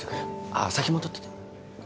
あ先戻ってて。